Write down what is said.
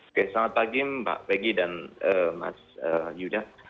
oke selamat pagi mbak peggy dan mas yuda